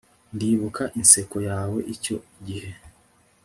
ndibuka inseko yawe icyo gihe